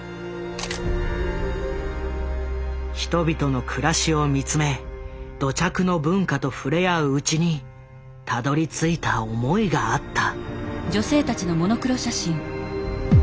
人々の暮らしを見つめ土着の文化と触れ合ううちにたどりついた思いがあった。